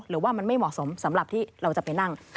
หรือว่ามันไม่เหมาะสมสำหรับที่เราจะไปนั่ง